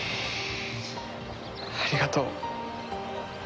ありがとう。